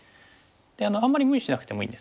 であんまり無理しなくてもいいです。